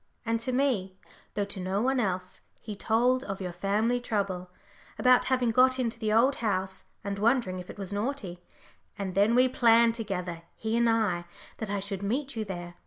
And to me, though to no one else, he told of your funny trouble, about having got into the Old House and wondering if it was naughty, and then we planned together he and I that I should meet you there.